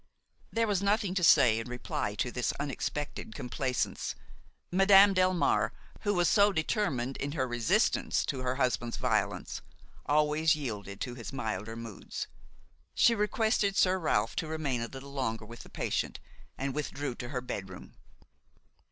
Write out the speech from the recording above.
There was nothing to say in reply to this unexpected complaisance. Madame Delmare, who was so determined in her resistance to her husband's violence, always yielded to his milder moods. She requested Sir Ralph to remain a little longer with the patient, and withdrew to her bedroom.